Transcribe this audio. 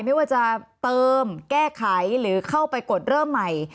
ไม่ว่าจะเติมแก้ไขหรือเข้าไปกดเริ่มใหม่